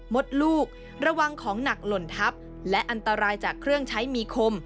มดลูกระวังของหนักหล่นทับและอันตรายจากเครื่องใช้มีคม